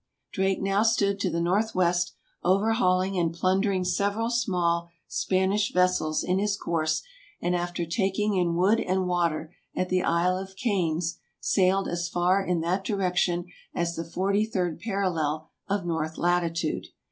Drake now stood to the northwest, overhauling and plundering several small Spanish vessels in his course and after taking in wood and water at the Isle of Canes, sailed as far in that direction as the forty third parallel of north latitude.